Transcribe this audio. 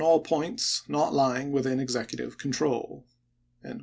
all points not lying within Executive control.